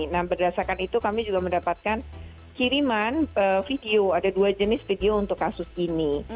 nah berdasarkan itu kami juga mendapatkan kiriman video ada dua jenis video untuk kasus ini